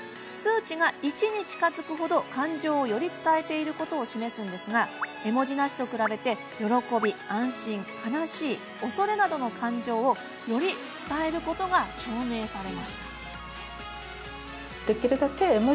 数値が１に近づくほど感情をより伝えていることを示すんですが絵文字なしと比べて喜び、安心、悲しい恐れなどの感情をより伝えることが証明されました。